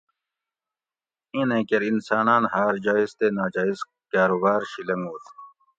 اِیں نین کیر انساناۤن ہار جایٔز تے ناجایٔز کاروبار شی لنگوت